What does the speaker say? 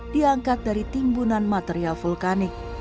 diangkat dari timbunan material vulkanik